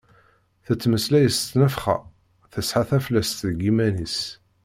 Tettmeslay s ttnefxa, tesɛa taflest deg yiman-is.